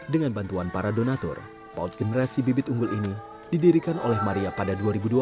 dengan bantuan para donatur paut generasi bibit unggul ini didirikan oleh maria pada dua ribu dua belas